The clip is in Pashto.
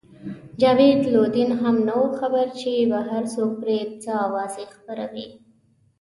جاوید لودین هم نه وو خبر چې بهر څوک پرې څه اوازې خپروي.